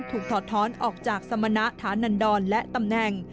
ถอดท้อนออกจากสมณะฐานันดรและตำแหน่ง